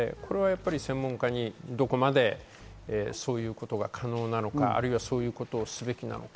専門家にどこまでそういうことが可能なのかあるいははすべきなのか。